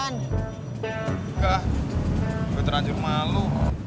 enggak gue terlanjur malu